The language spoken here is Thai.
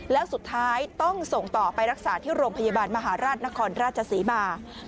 แล้วสุดท้ายต้องส่งต่อไปรักษาที่โรงพยาบาลมหาราชนครราชศรีมา